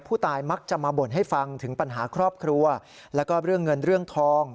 ผู้ตายมักจะมาบ่นให้ฟังถึงปัญหาครอบครัวแล้วก็เรื่องเงินเรื่องทอง